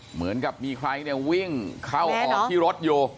เหมือนกับมีใครเนี่ยวิ่งเข้าออกที่รถอยู่